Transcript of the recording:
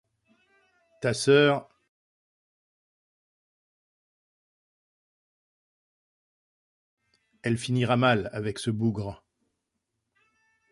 Ta sœur, elle finira mal avec ce bougre…